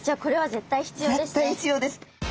絶対必要です。